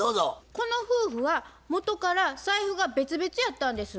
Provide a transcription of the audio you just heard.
この夫婦はもとから財布が別々やったんです。